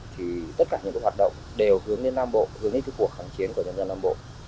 thì tất cả những hoạt động đều hướng đến nam bộ hướng đến cuộc kháng chiến của nhân dân nam bộ